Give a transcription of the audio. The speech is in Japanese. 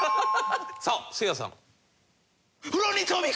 さあせいやさん。